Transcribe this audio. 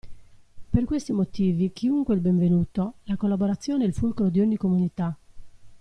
Per questi motivi chiunque è il benvenuto: la collaborazione è il fulcro di ogni comunità.